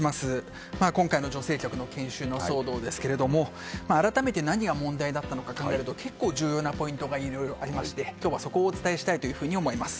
今回の女性局の研修の騒動ですけれども改めて何が問題だったのか考えると結構、重要なポイントがいろいろありまして今日はそこをお伝えしたいと思います。